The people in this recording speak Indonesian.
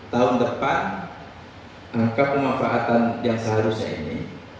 tahun depan angka pemanfaatan yang seharusnya ini